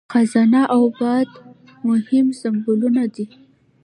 خزانه او باد مهم سمبولونه دي.